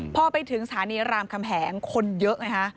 พอไปถึงสถานีรามคำแหงคนเยอะไงฮะ